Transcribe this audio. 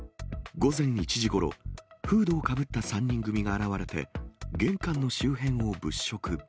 午前１時ごろ、フードをかぶった３人組が現れて、玄関の周辺を物色。